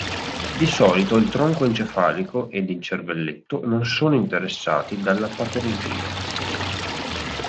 Di solito il tronco encefalico ed il cervelletto non sono interessati dalla patologia.